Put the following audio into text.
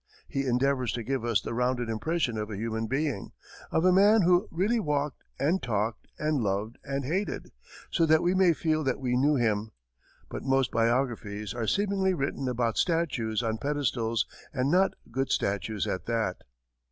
He endeavors to give us the rounded impression of a human being of a man who really walked and talked and loved and hated so that we may feel that we knew him. But most biographies are seemingly written about statues on pedestals, and not good statues at that.